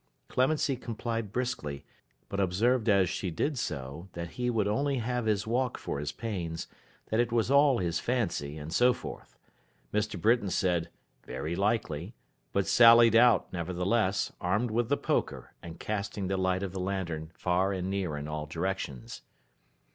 Clemency complied briskly; but observed as she did so, that he would only have his walk for his pains, that it was all his fancy, and so forth. Mr. Britain said 'very likely;' but sallied out, nevertheless, armed with the poker, and casting the light of the lantern far and near in all directions.